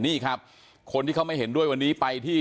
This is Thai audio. นี่ครับคนที่เขาไม่เห็นด้วยวันนี้ไปที่